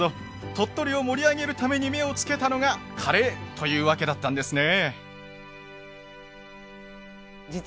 鳥取を盛り上げるために目を付けたのがカレーというわけだったんですね。